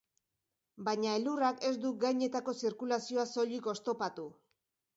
Baina elurrak ez du gainetako zirkulazioa soilik oztopatu.